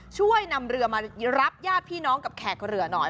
ช่วยนำเรือมารับญาติพี่น้องกับแขกเรือหน่อย